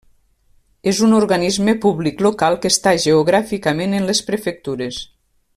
És un organisme públic local que està geogràficament en les prefectures.